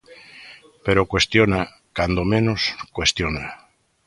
Pero cuestiona, cando menos, cuestiona.